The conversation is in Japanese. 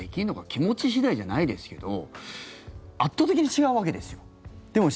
気持ち次第じゃないですけど圧倒的に違うわけですよ。